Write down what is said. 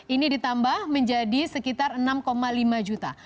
ini ditambah menjadi sekitar enam lima juta